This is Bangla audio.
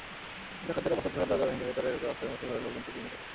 ডাকাতেরা বসতঘরের দরজা ভেঙে ভেতরে ঢুকে অস্ত্রের মুখে ঘরের লোকজনকে জিম্মি করে।